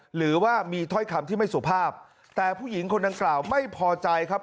หรือว่ามีถ้อยคำที่ไม่สุภาพแต่ผู้หญิงคนดังกล่าวไม่พอใจครับ